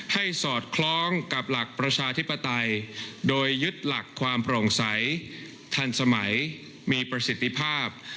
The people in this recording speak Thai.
สอดคล้องกับหลักประชาธิปไตยโดยยึดหลักความโปร่งใสทันสมัยมีประสิทธิภาพ